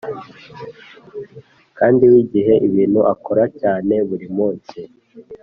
kandi wige ibintu akora cyane buri munsi